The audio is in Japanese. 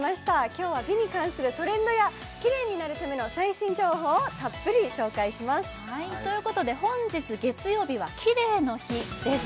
今日は美に関するトレンドやキレイになるための最新情報をたっぷり紹介しますということで本日月曜日はキレイの日です